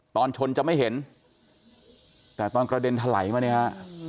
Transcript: ตอนชนจะไม่เห็นแต่ตอนกระเด็นถลายมาเนี่ยฮะ